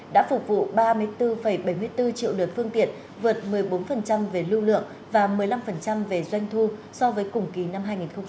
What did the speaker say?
đã phục vụ ba mươi bốn bảy mươi bốn triệu lượt phương tiện vượt một mươi bốn về lưu lượng và một mươi năm về doanh thu so với cùng kỳ năm hai nghìn hai mươi ba